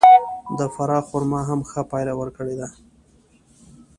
د فراه خرما هم ښه پایله ورکړې ده.